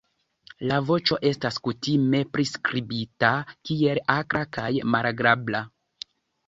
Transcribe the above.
La voĉo estas kutime priskribita kiel akra kaj malagrabla.